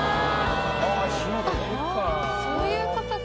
あっそういうことか。